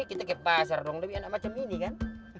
kita ke pasar dong lebih enak macam ini kan